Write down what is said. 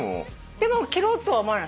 でも切ろうとは思わない？